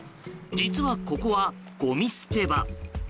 実はここは、ごみ捨て場。